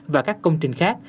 và các công trình khác